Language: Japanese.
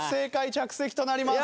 着席となります。